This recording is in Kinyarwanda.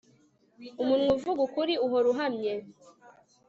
umunwa uvuga ukuri uhora uhamye